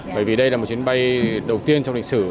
bởi vì đây là một chuyến bay đầu tiên trong lịch sử